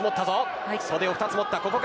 袖を２つ持った。